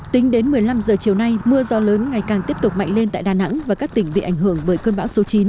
tính đến một mươi năm h chiều nay mưa gió lớn ngày càng tiếp tục mạnh lên tại đà nẵng và các tỉnh bị ảnh hưởng bởi cơn bão số chín